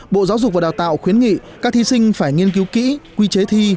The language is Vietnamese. bộ giáo dục và đào tạo khuyến nghị các thí sinh phải nghiên cứu kỹ quy chế thi